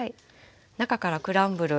中からクランブル。